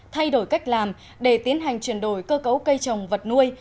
thay đổi cách làm để tiến hành chuyển đổi cơ cấu cây trồng vật nuôi